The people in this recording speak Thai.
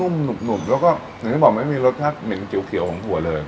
ุ่มหนุ่มแล้วก็อย่างที่บอกไม่มีรสชาติเหม็นเขียวของถั่วเลย